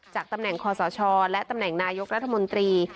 ตำแหน่งคอสชและตำแหน่งนายกรัฐมนตรี